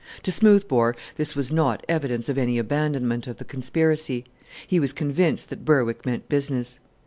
To Smoothbore this was not evidence of any abandonment of the conspiracy. He was convinced that Berwick meant business.